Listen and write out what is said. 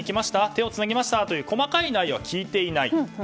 手をつなぎましたという細かい内容は聞いていない。